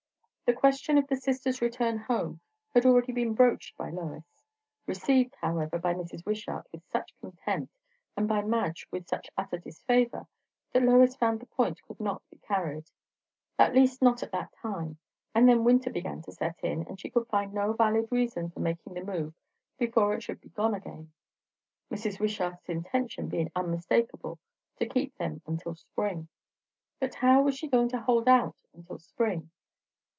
The question of the sisters' return home had already been broached by Lois; received, however, by Mrs. Wishart with such contempt, and by Madge with such utter disfavour, that Lois found the point could not be carried; at least not at that time; and then winter began to set in, and she could find no valid reason for making the move before it should be gone again, Mrs. Wishart's intention being unmistakeable to keep them until spring. But how was she going to hold out until spring?